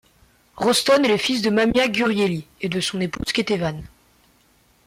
Rostom est le fils de Mamia Gurieli et de son épouse Ketevan.